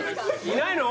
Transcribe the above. いないの？